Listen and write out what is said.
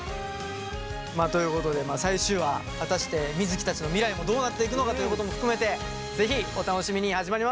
まあということで最終話果たして水城たちの未来もどうなっていくのかということも含めて変な始まり。